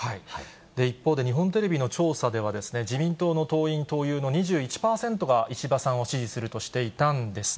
一方で、日本テレビの調査では、自民党の党員・党友の２１％が石破さんを支持するとしていたんですね。